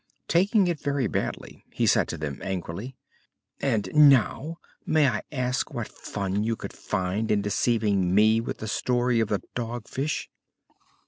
Taking it very badly, he said to them angrily: "And now, may I ask what fun you could find in deceiving me with the story of the Dog Fish?"